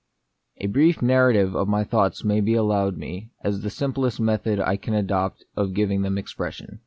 A BRIEF narrative of my thoughts may be allowed me, as the simplest method I can adopt of giving them expression.